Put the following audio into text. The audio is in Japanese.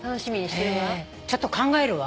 ちょっと考えるわ。